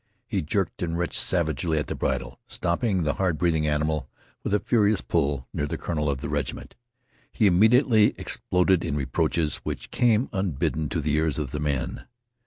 He jerked and wrenched savagely at his bridle, stopping the hard breathing animal with a furious pull near the colonel of the regiment. He immediately exploded in reproaches which came unbidden to the ears of the men.